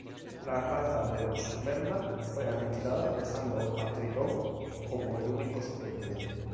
La raza de los merman fue aniquilada dejando a Tritón, como el único superviviente.